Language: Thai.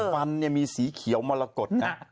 ฝันนี่มีสีเขียวมละกด